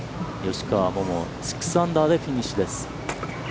吉川桃、６アンダーでフィニッシュです。